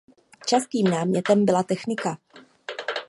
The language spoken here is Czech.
Častým námětem byla technika.